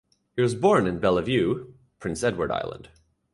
He was born in Bellevue, Prince Edward Island.